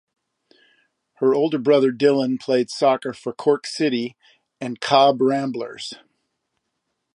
Her older brother Dylan played soccer for Cork City and Cobh Ramblers.